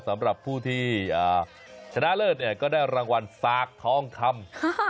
สำหรับผู้ที่ชนะเลิศเนี่ยก็ได้รางวัลสากทองคำ